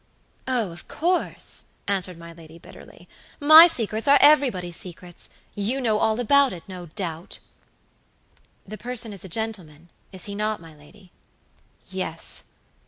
"Oh, of course," answered my lady, bitterly; "my secrets are everybody's secrets. You know all about it, no doubt." "The person is a gentlemanis he not, my lady?" "Yes."